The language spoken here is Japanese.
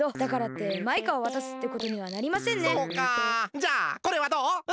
じゃあこれはどう？